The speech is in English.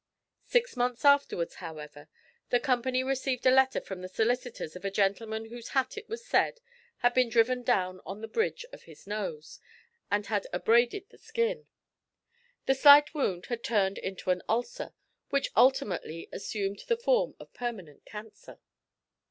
Six months afterwards, however, the company received a letter from the solicitors of a gentleman whose hat it was said, had been driven down on the bridge of his nose, and had abraded the skin; the slight wound had turned into an ulcer, which ultimately assumed the form of permanent cancer.